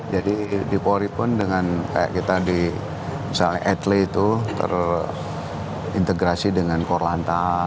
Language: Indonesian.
jadi di polri pun dengan kayak kita di misalnya adley itu terintegrasi dengan korlanta